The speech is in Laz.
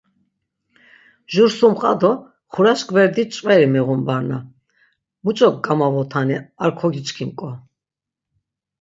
Jur sum qa do xuraş gverdi ç̆veri miğun barna, muç̌o gamavotani ar kogiçkink̆o.